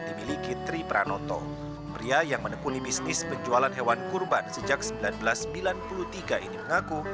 dimiliki tri pranoto pria yang menekuni bisnis penjualan hewan kurban sejak seribu sembilan ratus sembilan puluh tiga ini mengaku